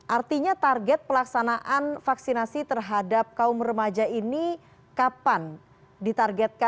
artinya target pelaksanaan vaksinasi terhadap kaum remaja ini kapan ditargetkan